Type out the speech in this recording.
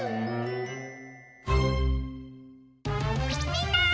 みんな！